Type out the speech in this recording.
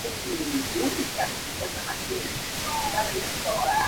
En ella se bautizó a Segundo Ruiz Belvis a los trece días de nacido.